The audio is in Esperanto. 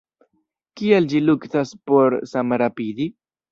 Kial ĝi luktas por samrapidi?